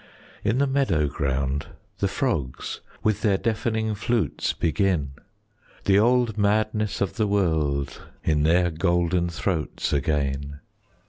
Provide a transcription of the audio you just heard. In the meadow ground the frogs With their deafening flutes begin,— The old madness of the world 15 In their golden throats again.